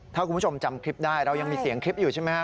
ถ้าคุณผู้ชมจำคลิปได้เรายังมีเสียงคลิปอยู่ใช่ไหมครับ